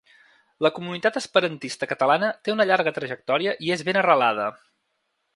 La comunitat esperantista catalana té una llarga trajectòria i és ben arrelada.